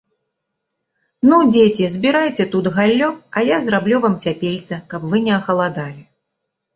- Ну, дзеці, збірайце тут галлё, а я зраблю вам цяпельца, каб вы не ахаладалі